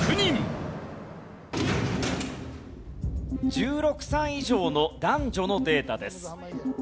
１６歳以上の男女のデータです。